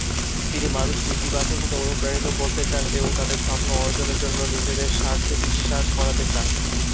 তিনি মানুষকে ইতিবাচক হতে অনুপ্রাণিত করতে চান এবং তাদের স্বপ্ন অর্জনের জন্য নিজেদের স্বার্থে বিশ্বাস করাতে চান।